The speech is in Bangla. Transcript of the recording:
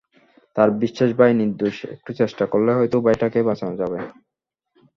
তাঁর বিশ্বাস ভাই নির্দোষ, একটু চেষ্টা করলেই হয়তো ভাইটাকে বাঁচানো যাবে।